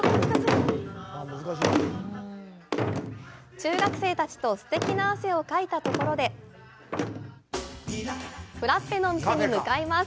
中学生たちとすてきな汗をかいたところでフラッペのお店に向かいます！